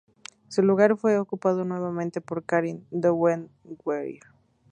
Su lugar fue ocupado nuevamente por Karen Doggenweiler.